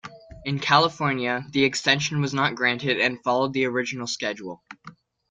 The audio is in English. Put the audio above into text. In California, the extension was not granted and followed the original schedule.